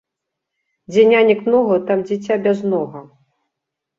Дзе нянек многа, там дзiця бязнога